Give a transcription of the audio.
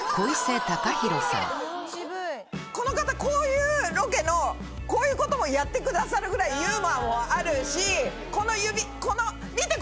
この方、こういうロケの、こういうこともやってくださるぐらいユーモアもあるし、この指、この、見て！